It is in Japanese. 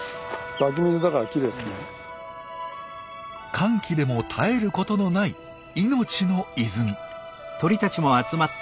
乾季でも絶えることのない命の泉。